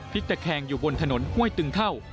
พิกเตอร์แคงอยู่บนถนนห้วยตึงเท่า